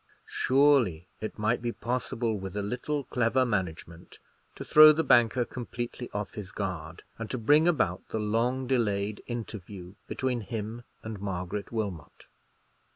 Surely it might be possible, with a little clever management, to throw the banker completely off his guard, and to bring about the long delayed interview between him and Margaret Wilmot.